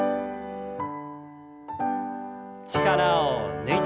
力を抜いて。